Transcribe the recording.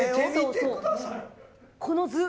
この図。